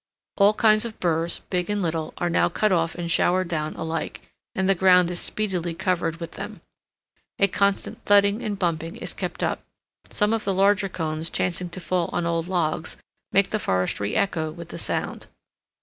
All kinds of burs, big and little, are now cut off and showered down alike, and the ground is speedily covered with them. A constant thudding and bumping is kept up; some of the larger cones chancing to fall on old logs make the forest reëcho with the sound.